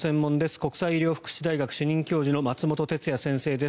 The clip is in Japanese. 国際医療福祉大学主任教授の松本哲哉先生です。